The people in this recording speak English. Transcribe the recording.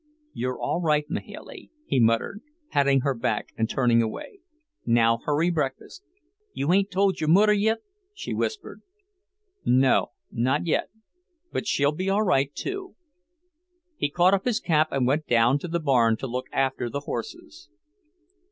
"You're all right, Mahailey," he muttered, patting her back and turning away. "Now hurry breakfast." "You ain't told your mudder yit?" she whispered. "No, not yet. But she'll be all right, too." He caught up his cap and went down to the barn to look after the horses.